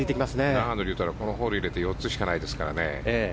永野竜太郎はこのホール入れて６つしかないですからね。